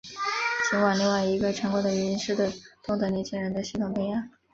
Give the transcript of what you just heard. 尽管另外一个成功的原因是对东德年轻人的系统培养。